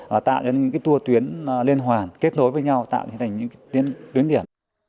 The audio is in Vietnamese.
và tạo những tour tuyến liên hoàn kết nối với nhau tạo thành những tuyến điểm